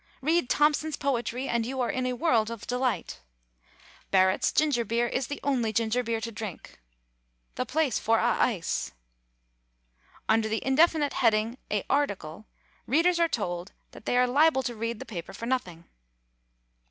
"Read Thompson's poetry and you are in a world of delight." "Barrat's ginger beer is the only ginger beer to drink." "The place for a ice." Under the indefinite heading "A Article," readers are told "that they are liable to read the paper for nothing."